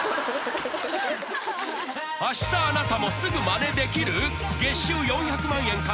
［あしたあなたもすぐまねできる］［月収４００万円